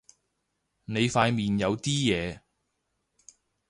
你塊面有啲嘢